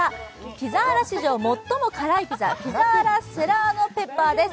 ピザーラ史上最も辛いピザピザーラセラーノペッパーです。